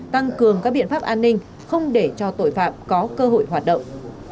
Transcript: tăng cường các biện pháp an ninh không để cho tội phạm có cơ hội hoạt động